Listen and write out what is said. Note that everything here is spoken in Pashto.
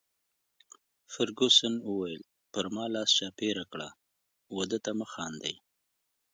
فرګوسن وویل: پر ما لاس چاپیره کړه، وه ده ته مه خاندي.